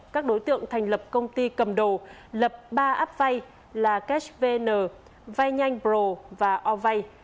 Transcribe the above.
các đối tượng thành lập công ty cầm đầu lập ba app vai là cashvn vainhanhpro và orvai